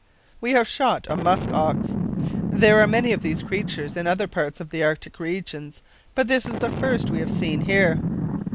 "We have shot a musk ox. There are many of these creatures in other parts of the Arctic regions, but this is the first we have seen here.